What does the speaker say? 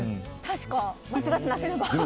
間違ってなければ。